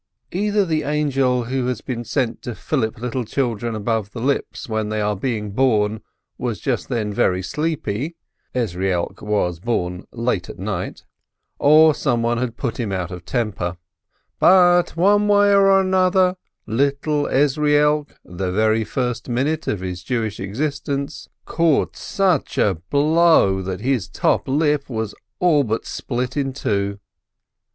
Either the angel who has been sent to fillip little children above the lips when they are being born, was just then very sleepy (Ezrielk was born late at night), or some one had put him out of temper, but one way or another little Ezrielk, the very first minute of his Jewish existence, caught such a blow that his top lip was all but split in two.